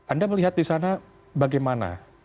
anda melihat di sana bagaimana